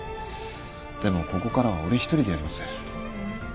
でもここからは俺一人でやります。